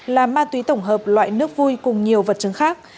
là ma túy tổng hợp loại nước vui cùng nhiều vật chứng khác